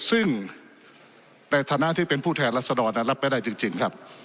ซึ่งในฐานะที่เป็นผู้แทนรัศดรรับไม่ได้จริงครับ